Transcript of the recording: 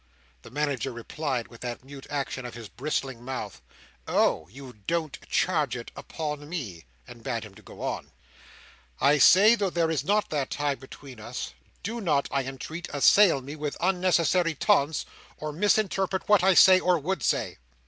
The Manager replied, with that mute action of his bristling mouth, "Oh, you don't charge it upon me!" and bade him go on. "I say, though there is not that tie between us, do not, I entreat, assail me with unnecessary taunts, or misinterpret what I say, or would say.